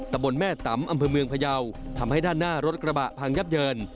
ตะบนแม่ตำอำเภอเมืองพยาวทำให้ด้านหน้ารถกระบะพังยับเยิน